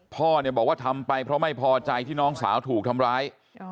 พ่อเนี่ยบอกว่าทำไปเพราะไม่พอใจที่น้องสาวถูกทำร้าย